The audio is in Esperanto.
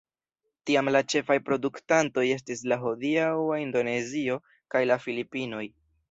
Tiam la ĉefaj produktantoj estis la hodiaŭa Indonezio kaj la Filipinoj.